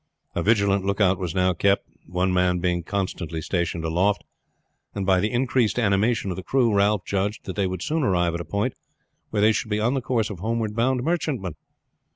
A vigilant lookout was now kept, one man being constantly stationed aloft, and by the increased animation of the crew Ralph judged that they would soon arrive at a point where they should be on the course of homeward bound merchantmen.